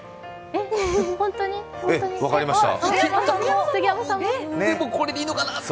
分かりました。